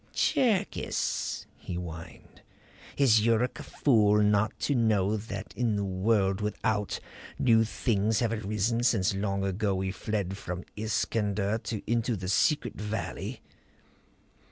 "Cherkis," he whined. "Is Yuruk a fool not to know that in the world without, new things have arisen since long ago we fled from Iskander into the secret valley?